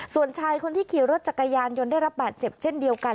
ส่วนชายคนที่ขี่รถจักรยานยนต์ได้รับบาดเจ็บเช่นเดียวกัน